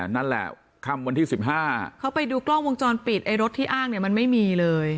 นั่นแหละค่ำวันที่๑๕เขาไปดูกล้องวงจรปิดไอ้รถที่อ้างเนี่ยมันไม่มีเลย